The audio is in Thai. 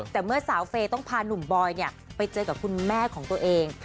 แต่เมื่อสาวเฟย์ต้องพานุ่มบอยไปเจอกับคุณแม่ของตัวเอง